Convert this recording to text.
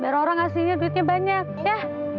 biar orang aslinya duitnya banyak ya